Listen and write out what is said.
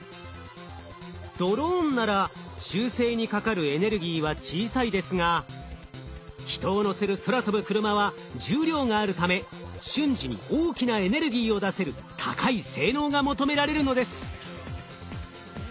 ドローンなら修正にかかるエネルギーは小さいですが人を乗せる空飛ぶクルマは重量があるため瞬時に大きなエネルギーを出せる高い性能が求められるのです。